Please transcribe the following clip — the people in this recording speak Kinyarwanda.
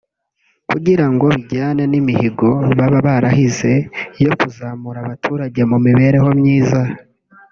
kugira ngo bijyane n’imihigo baba barahize yo kuzamura abaturage mu mibereho myiza